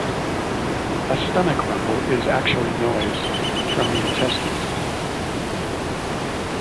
A stomach rumble is actually noise from the intestines.